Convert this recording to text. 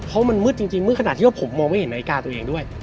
เพราะมันมืดจริงมืดขนาดที่ว่าผมมองไม่เห็นนาฬิกาตัวเองด้วย